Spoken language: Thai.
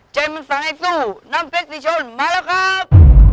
ใจมันสั่งให้สู้น้ำเพชรศรีชนมาแล้วครับ